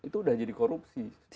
sudah tidak biasa